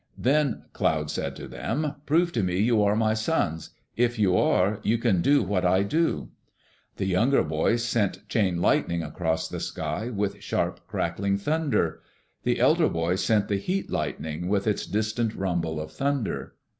Then Cloud said to them, "Prove to me you are my sons. If you are, you can do what I do." The younger boy sent chain lightning across the sky with sharp, crackling thunder. The elder boy sent the heat lightning with its distant rumble of thunder.